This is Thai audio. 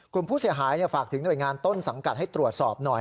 กลุ่มผู้เสียหายฝากถึงหน่วยงานต้นสังกัดให้ตรวจสอบหน่อย